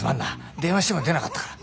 電話しても出なかったから。